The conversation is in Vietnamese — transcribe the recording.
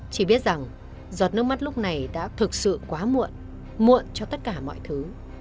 chỉ biết rằng giọt nước mắt lúc này đã thực sự quá muộn cho tất cả mọi thứ